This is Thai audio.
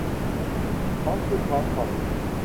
ท้องขึ้นท้องพอง